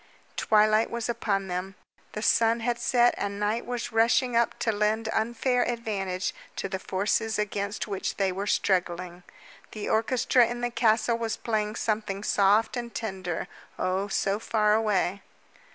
Twilight was upon them; the sun had set and night was rushing up to lend unfair advantage to the forces against which they were struggling. The orchestra in the castle was playing something soft and tender oh, so far away.